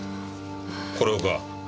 これをか？